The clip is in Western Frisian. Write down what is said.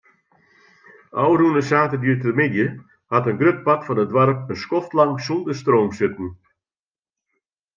Ofrûne saterdeitemiddei hat in grut part fan it doarp in skoftlang sûnder stroom sitten.